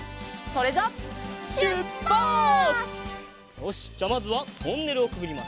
よしじゃあまずはトンネルをくぐります。